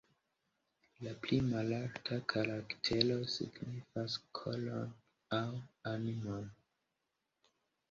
La pli malalta karaktero signifas "koron" aŭ "animon".